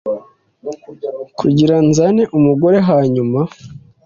kugira nzane umugore hanyuma